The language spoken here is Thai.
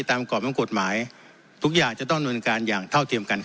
กรอบของกฎหมายทุกอย่างจะต้องดำเนินการอย่างเท่าเทียมกัน